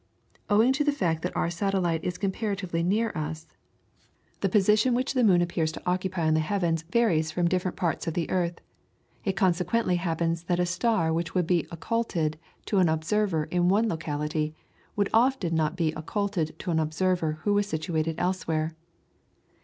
Owing to the fact that our satellite is comparatively near us, the position which the moon appears to occupy on the heavens varies from different parts of the earth, it consequently happens that a star which would be occulted to an observer in one locality, would often not be occulted to an observer who was situated elsewhere.